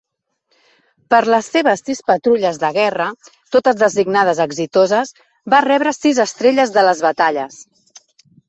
Per les seves sis patrulles de guerra, totes designades "exitoses", va rebre sis estrelles de les batalles.